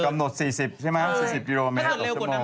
กำหนด๔๐ใช่ไหมครับ๔๐กิโลเมตรกับ๑๐ชั่วโมง